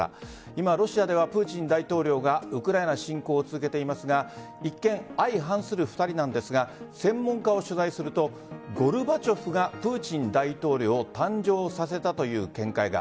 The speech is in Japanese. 今、ロシアではプーチン大統領がウクライナ侵攻を続けていますが一見、相反する２人なんですが専門家を取材するとゴルバチョフがプーチン大統領を誕生させたという見解が。